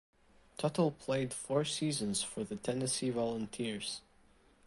Tuttle played four seasons for the Tennessee Volunteers.